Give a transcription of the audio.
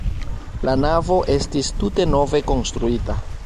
La navo estis tute nove konstruita.